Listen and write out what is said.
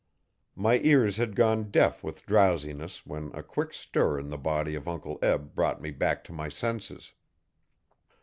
My ears had gone deaf with drowsiness when a quick stir in the body of Uncle Eb brought me back to my senses.